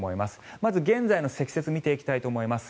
まず現在の積雪を見ていきたいと思います。